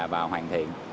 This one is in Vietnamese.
và hoàn thiện